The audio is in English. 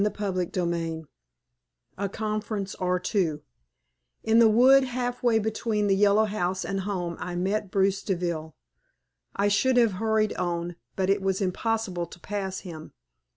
CHAPTER XVII A CONFERENCE OR TWO In the wood half way between the Yellow House and home I met Bruce Deville. I should have hurried on, but it was impossible to pass him.